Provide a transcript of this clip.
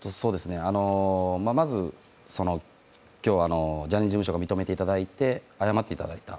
まず、今日、ジャニーズ事務所が認めていただいて、謝っていただいた。